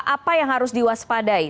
apa yang harus diwaspadai